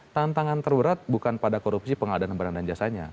tantangan terberat bukan pada korupsi pengadaan barang dan jasanya